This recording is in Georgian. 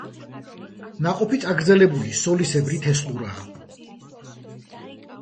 ნაყოფი წაგრძელებული სოლისებრი თესლურაა.